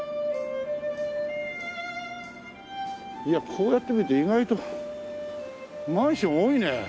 いやこうやって見ると意外とマンション多いね。